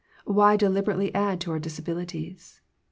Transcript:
Why de liberately add to our disabilities